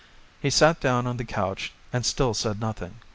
He sat down on the couch and still said nothing.